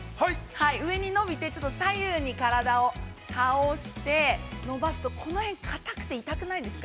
上に伸びて、ちょっと左右に体を倒して、伸ばすと、この辺硬くて痛くないですか。